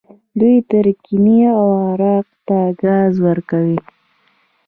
دوی ترکیې او عراق ته ګاز ورکوي.